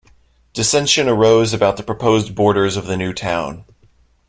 Dissension arose about the proposed borders of the new town.